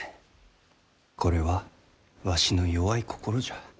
これはわしの弱い心じゃ。